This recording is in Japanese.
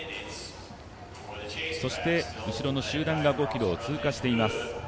そして、後ろの集団が５ｋｍを通過しています。